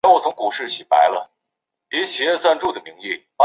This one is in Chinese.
油女志乃是夕日红带领的第八队的成员。